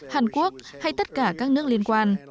hàn quốc hay tất cả các nước liên quan